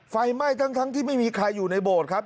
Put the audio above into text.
ไฟไหม้ทั้งที่ไม่มีใครอยู่ในโบสถ์ครับ